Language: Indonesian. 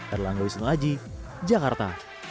erlangga wisnu aji jakarta